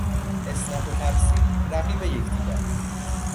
اسنپ و تپسی رقیب یکدیگرند!